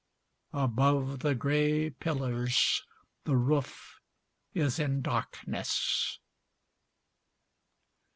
Above the grey pillars the roof is in darkness.